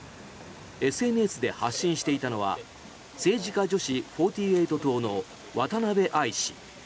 ＳＮＳで発信していたのは政治家女子４８党の渡部亜衣氏。